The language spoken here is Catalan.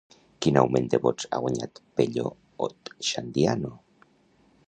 Quin augment de vots ha guanyat Pello Otxandiano?